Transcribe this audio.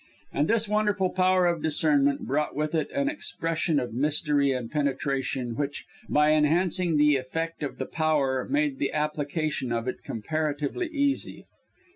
And this wonderful power of discernment brought with it an expression of mystery and penetration which, by enhancing the effect of the power, made the application of it comparatively easy.